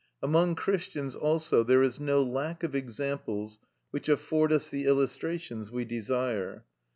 Among Christians also there is no lack of examples which afford us the illustrations we desire.